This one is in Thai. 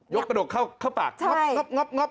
ยกประดกเข้าปากง๊อบ